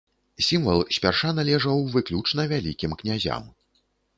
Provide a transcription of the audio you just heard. Сімвал спярша належаў выключна вялікім князям.